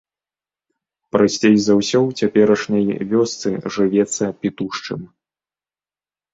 Прасцей за ўсё ў цяперашняй вёсцы жывецца пітушчым.